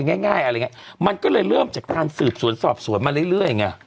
ง่ายอะไรอย่างเงี้ยมันก็เลยเริ่มจากการสืบสวนสอบสวนมาเรื่อยไง